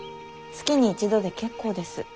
月に一度で結構です。